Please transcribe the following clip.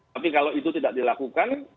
tapi kalau itu tidak dilakukan